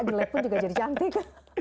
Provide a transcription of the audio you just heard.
jika juga cantik